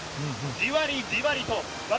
じわりじわりと私